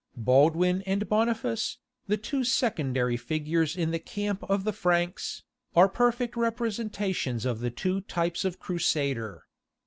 Baldwin and Boniface, the two secondary figures in the camp of the Franks, are perfect representations of the two types of crusader.